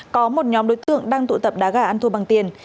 có một nhóm đối tượng đang tụ tập đá gà ăn thua bằng tiền